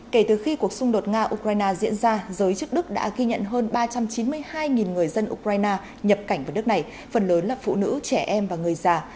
kể từ khi cuộc xung đột nga ukraine diễn ra giới chức đức đã ghi nhận hơn ba trăm chín mươi hai người dân ukraine nhập cảnh vào nước này phần lớn là phụ nữ trẻ em và người già